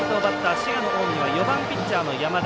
滋賀の近江は４番ピッチャーの山田。